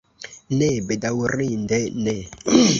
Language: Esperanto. Ne, bedaŭrinde ne.